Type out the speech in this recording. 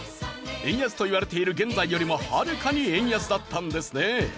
円安といわれている現在よりもはるかに円安だったんですね。